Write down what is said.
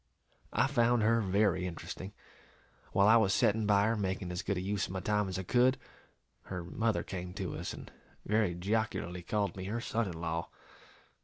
I found her very interesting; while I was setting by her, making as good a use of my time as I could, her mother came to us, and very jocularly called me her son in law.